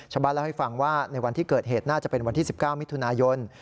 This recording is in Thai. ชาวบ้านเล่าให้ฟังว่าในวันที่เกิดเหตุน่าจะเป็นวันที่๑๙มิถุนายน